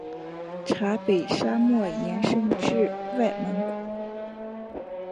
察北沙漠延伸至外蒙古。